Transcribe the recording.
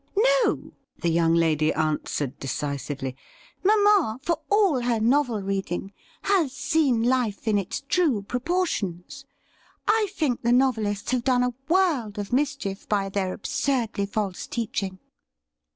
'No,' the young lady answered decisively. 'Mamma, for all her novel reading, has seen life in its true propor tions. I think the novelists have done a world of mischief by their absurdly false teaching.'